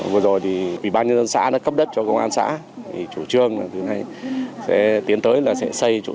vừa rồi thì ủy ban nhân dân xã nó cấp đất cho công an xã thì chủ trương là từ nay sẽ tiến tới là sẽ cấp đất